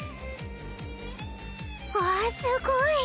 わあすごい。